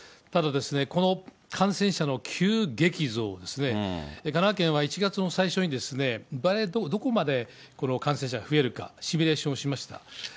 ただ、この感染者の急激増ですね、神奈川県は１月の最初にですね、どこまで感染者が増えるか、シミュレーションしました。